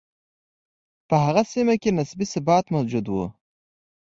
په هغه سیمه کې نسبي ثبات موجود و.